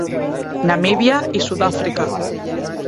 Namibia y Sudáfrica.